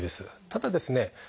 ただですね